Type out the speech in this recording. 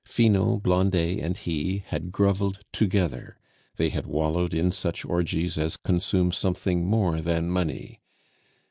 Finot, Blondet, and he had groveled together; they had wallowed in such orgies as consume something more than money.